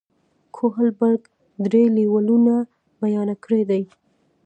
کوهلبرګ درې لیولونه بیان کړي دي.